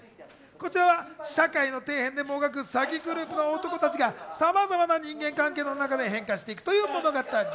こちらは社会の底辺でもがく詐欺グループの男たちがさまざまな人間関係の中で変化していくという物語。